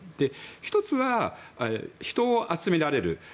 １つは人を集められる。